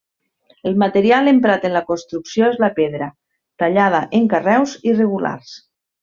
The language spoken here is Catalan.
El material emprat en la construcció és la pedra, tallada en carreus irregulars.